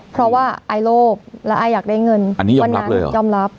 เพราะว่าไอโลภแล้วอายอยากได้เงินอันนี้ยอมรับเลยเหรอยอมรับ